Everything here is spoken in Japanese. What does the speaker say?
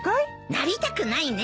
なりたくないね。